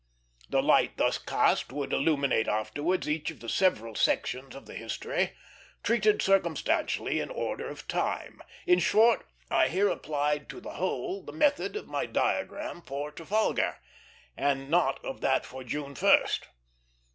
The light thus cast would illuminate afterwards each of the several sections of the history, treated circumstantially in order of time. In short, I here applied to the whole the method of my diagram for Trafalgar, and not of that for June 1st.